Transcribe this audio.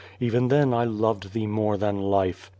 Even then I loved thee more than life.